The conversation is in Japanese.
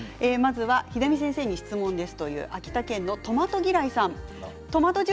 秀美先生に質問です。